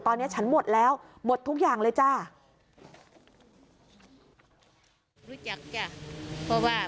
ตอนนี้ฉันหมดแล้วหมดทุกอย่างเลยจ้า